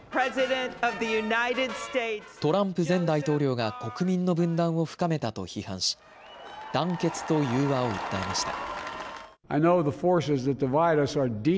トランプ前大統領が国民の分断を深めたと批判し、団結と融和を訴えました。